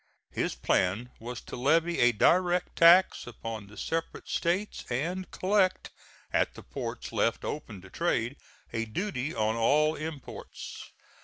His plan was to levy a direct tax upon the separate states, and collect, at the ports left open to trade, a duty on all imports.